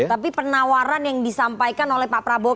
tapi penawaran yang disampaikan oleh pak prabowo